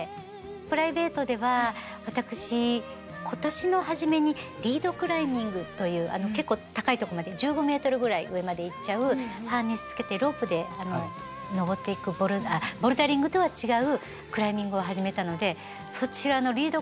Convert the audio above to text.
プライベートでは私今年の初めにリードクライミングという結構高いとこまで１５ｍぐらい上まで行っちゃうハーネス付けてロープで登っていくボルダリングとは違うクライミングを始めたのでそちらのリード